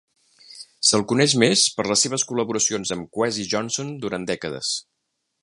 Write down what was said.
Se'l coneix més per les seves col·laboracions amb Kwesi Johnson durant dècades.